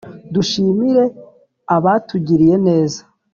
Dushimire abatugiriye neza.